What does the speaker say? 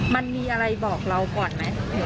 มันมีอะไรบอกเราก่อนไหม